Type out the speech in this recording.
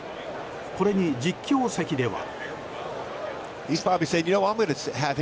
これに実況席では。